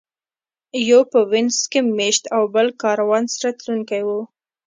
یو په وینز کې مېشت او بل کاروان سره تلونکی و.